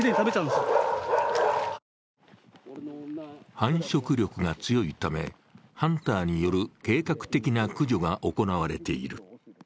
繁殖力が強いため、ハンターによる計画的な駆除が行われている。